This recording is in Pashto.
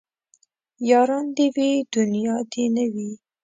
ياران دي وي دونيا دي نه وي